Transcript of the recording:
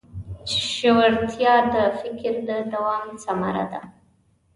ژورتیا د فکر د دوام ثمره ده.